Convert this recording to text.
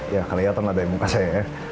ya kalian lihatlah dari muka saya